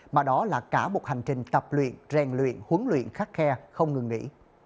mà đó là cả một hành trình tập luyện rèn luyện huấn luyện khắc khe không ngừng nghỉ